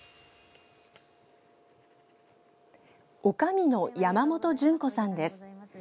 おかみの山本順子さんです。